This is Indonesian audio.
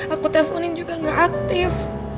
aku teleponin juga nggak aktif